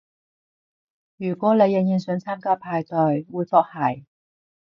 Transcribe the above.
如果你仍然想參與派對，回覆係